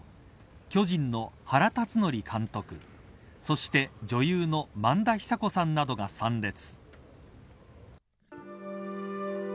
巨人の原辰徳監督そして、女優の萬田久子さんなどが参列。